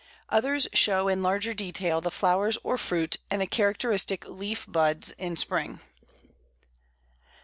Others show in larger detail the flowers or fruit, and the characteristic leaf buds in spring.